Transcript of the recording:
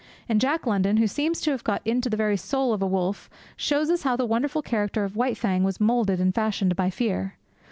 And Jack London, who seems to have got into the very soul of a wolf, shows us how the wonderful character of White Fang was moulded and fashioned by fear.